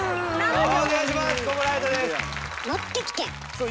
はい。